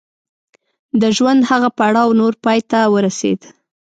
د ژوند هغه پړاو نور پای ته ورسېد.